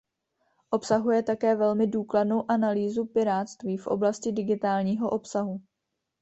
Obsahuje také velmi důkladnou analýzu pirátství v oblasti digitálního obsahu.